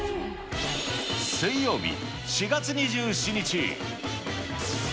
水曜日、４月２７日。